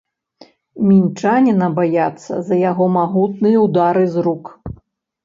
Мінчаніна баяцца за яго магутныя ўдары з рук.